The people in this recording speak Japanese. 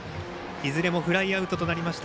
いずれもフライアウトとなりました。